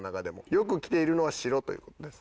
よく着ているのは白という事です。